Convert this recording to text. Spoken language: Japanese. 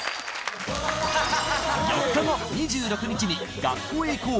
４日後２６日に「学校へ行こう！